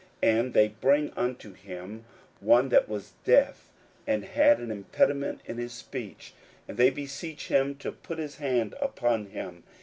41:007:032 And they bring unto him one that was deaf, and had an impediment in his speech; and they beseech him to put his hand upon him.